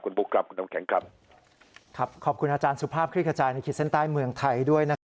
คุณบุคคุณน้ำแข็งครับ